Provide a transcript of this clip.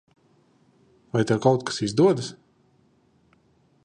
Vai tev kaut kas izdodas?